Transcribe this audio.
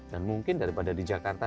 dan mungkin daripada di jakarta